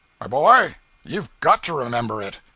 'My boy, you've got to remember it.